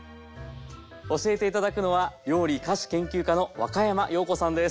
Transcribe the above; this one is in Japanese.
教えて頂くのは料理・菓子研究家の若山曜子さんです。